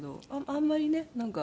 あんまりねなんか。